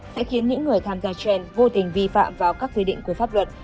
sẽ khiến những người tham gia trend vô tình vi phạm vào các giới định của pháp luật